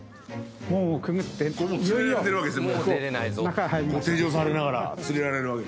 これもう連れられてるわけですね。